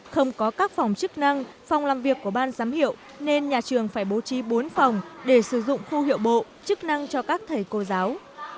không có các phòng chức năng phòng làm việc của ban giám hiệu nên nhà trường phải bố trí bốn phòng để sử dụng khu hiệu bộ chức năng cho các thầy cô giáo